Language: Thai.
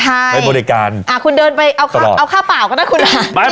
ใช่เป็นบริการอ่ะคุณเดินไปตลอดเอาค่าเอาค่าเปล่าก็ได้คุณอ่ะ